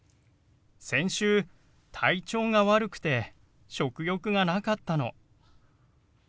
先週体調が悪くて食欲がなかったの。